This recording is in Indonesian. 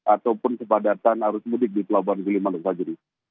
ataupun kepadatan arus mudik di pelabuhan gili manuk saja